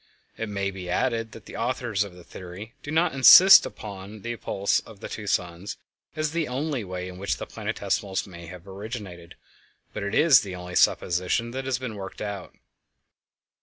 It may be added that the authors of the theory do not insist upon the appulse of two suns as the only way in which the planetesimals may have originated, but it is the only supposition that has been worked out.